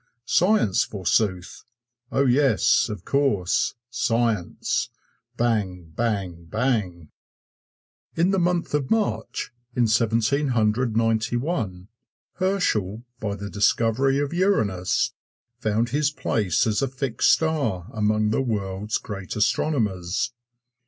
Science, forsooth? Oh, yes, of course science bang! bang! bang! In the month of March, in Seventeen Hundred Ninety one, Herschel, by the discovery of Uranus, found his place as a fixed star among the world's great astronomers.